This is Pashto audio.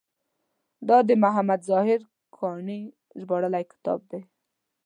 دا د محمد طاهر کاڼي ژباړلی کتاب دی.